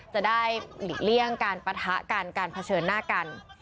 จะได้หลีกเลี่ยงการปะทะกันการเผชิญหน้ากัน